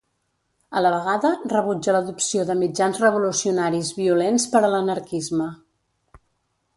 A la vegada, rebutja l'adopció de mitjans revolucionaris violents per a l'anarquisme.